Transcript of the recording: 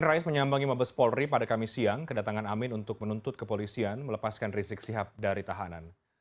ais menyambangi mabes polri pada kamis siang kedatangan amin untuk menuntut kepolisian melepaskan rizik sihab dari tahanan